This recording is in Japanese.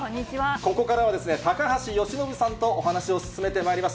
ここからは、高橋由伸さんとお話を進めてまいります。